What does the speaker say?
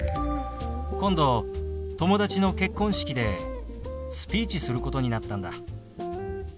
今度友達の結婚式でスピーチすることになったんだ。